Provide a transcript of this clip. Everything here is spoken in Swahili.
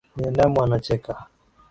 Binamu anacheka